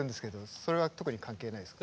それは特に関係ないですか？